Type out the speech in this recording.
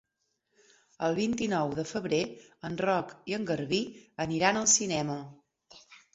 El vint-i-nou de febrer en Roc i en Garbí aniran al cinema.